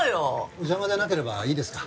お邪魔じゃなければいいですか？